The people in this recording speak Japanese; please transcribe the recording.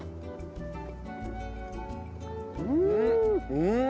うん！